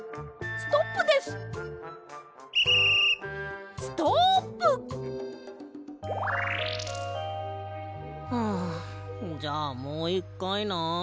ストップ！はあじゃあもう１かいな。